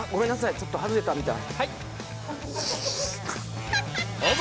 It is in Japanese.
ちょっと外れたみたい。